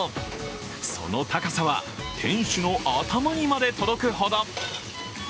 その高さは店主の頭にまで届くほど。